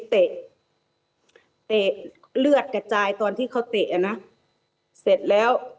เตะเตะเลือดกระจายตอนที่เขาเตะอ่ะนะเสร็จแล้ว